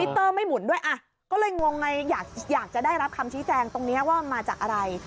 เตอร์ไม่หมุนด้วยอ่ะก็เลยงงไงอยากจะได้รับคำชี้แจงตรงนี้ว่ามาจากอะไร